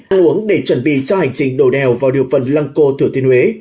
ăn uống để chuẩn bị cho hành trình nổ đèo vào điều phần lăng cô thừa thiên huế